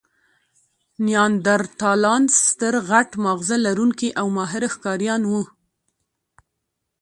نیاندرتالان ستر، غټ ماغزه لرونکي او ماهره ښکاریان وو.